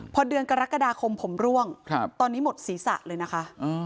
พอเดือนกรกฎาคมผมร่วงตอนนี้หมดศีรษะเลยนะคะ